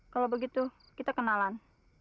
kalau begitu kita kenalan